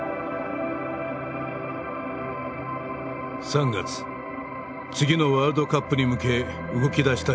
３月次のワールドカップに向け動きだした日本代表